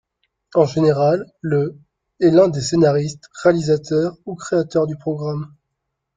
En général le ' est l'un des scénaristes, réalisateurs ou créateurs du programme.